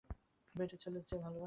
পেটের ছেলের চেয়ে ভালোবাসে?